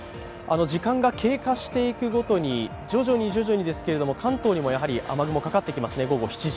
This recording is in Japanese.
時間が経過していくごとに、徐々に徐々にですけれども関東にも雨雲かかってきますね、午後７時。